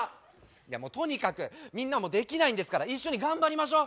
とにかくみんなもできないんですから一緒に頑張りましょう。